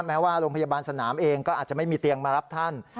แม้ว่าโรงพยาบาลสนามเองก็อาจจะไม่มีเตียงมารับท่าน